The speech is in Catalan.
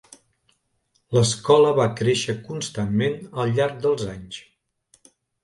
L'escola va créixer constantment al llarg dels anys.